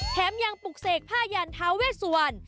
แท้ไม่บุกเศกผ้ายาไทยสุวรรค์